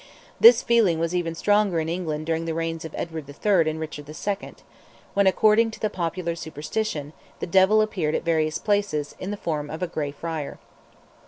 This feeling was even stronger in England during the reigns of Edward III. and Richard II., when, according to the popular superstition, the Devil appeared at various places "in the form of a grey friar."